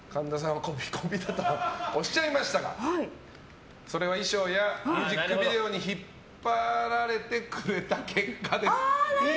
はこびこびだとおっしゃいましたがそれは衣装やミュージックビデオに引っ張られてくれた結果です。